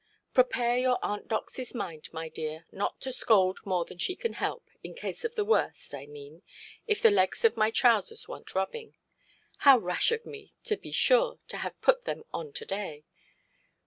"Prepare your Aunt Doxyʼs mind, my dear, not to scold more than she can help, in case of the worst—I mean, if the legs of my trousers want rubbing. How rash of me, to be sure, to have put them on to–day!